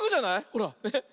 ほらね。